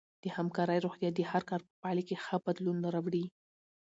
د همکارۍ روحیه د هر کار په پایله کې ښه بدلون راوړي.